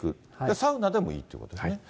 サウナでもいいということですね。